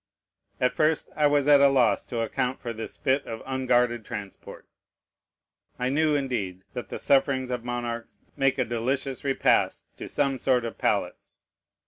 At first I was at a loss to account for this fit of unguarded transport. I knew, indeed, that the sufferings of monarchs make a delicious repast to some sort of palates.